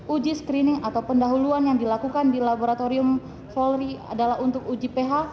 uji screening atau pendahuluan yang dilakukan di laboratorium polri adalah untuk uji ph